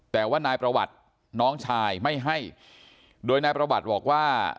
แต่ว่านายประวัติน้องชายไม่ให้โดยนายประวัติบอกว่า